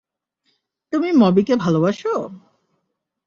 তুমি মবিকে ভালবাসো?